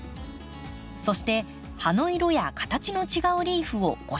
そして葉の色や形の違うリーフを５種類。